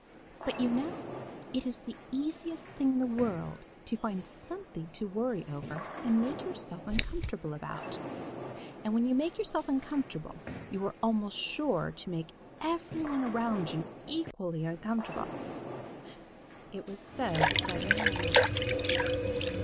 But you know it is the easiest thing in the world to find something to worry over and make yourself uncomfortable about. And when you make yourself uncomfortable, you are almost sure to make every one around you equally uncomfortable. It was so with Danny Meadow Mouse.